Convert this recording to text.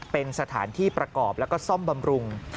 เป็นสถานที่ประกอบแล้วก็ซ่อมบำรุง